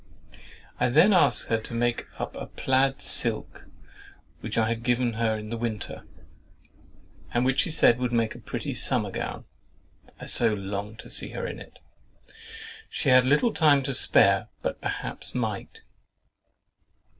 I then asked her to make up a plaid silk which I had given her in the winter, and which she said would make a pretty summer gown. I so longed to see her in it!—"She had little time to spare, but perhaps might!"